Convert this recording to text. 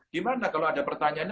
gimana kalau ada pertanyaannya